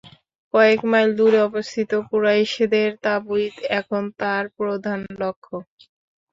কয়েক মাইল দূরে অবস্থিত কুরাইশদের তাঁবুই এখন তাঁর প্রধান লক্ষ্য।